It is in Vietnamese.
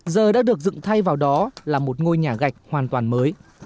giờ đã được dựng thay vào đó là một ngôi nhà gạch hoàn toàn mới